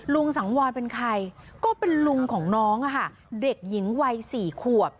สังวรเป็นใครก็เป็นลุงของน้องค่ะเด็กหญิงวัย๔ขวบ